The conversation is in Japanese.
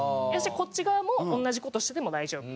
こっち側も同じ事してても大丈夫。